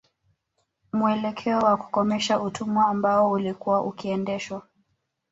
Muelekeo wa kukomesha utumwa ambao ulikuwa ukiendeshwa